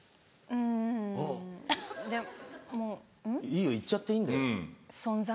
いいよ言っちゃっていいんだよ。存在？